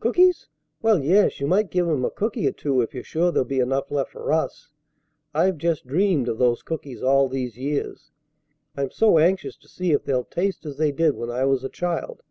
Cookies? Well, yes, you might give him a cooky or two if you're sure there'll be enough left for us. I've just dreamed of those cookies all these years. I'm so anxious to see if they'll taste as they did when I was a child.